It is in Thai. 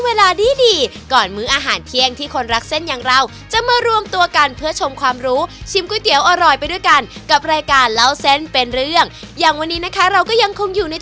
ว่าเราอยากได้ชามที่มันมีขั้นกลาง